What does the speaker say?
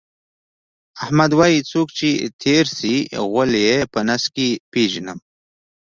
احمد وایي: څوک چې تېر شي، غول یې په نس کې پېژنم.